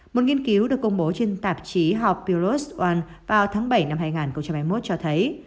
một nghiên cứu được công bố trên tạp chí họp puros one vào tháng bảy năm hai nghìn hai mươi một cho thấy